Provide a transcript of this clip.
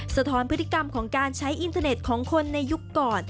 สะท้อนพฤติกรรมของการใช้อินเทอร์เน็ตของคนในยุคก่อน